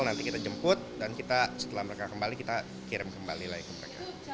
nanti kita jemput dan kita setelah mereka kembali kita kirim kembali lagi ke mereka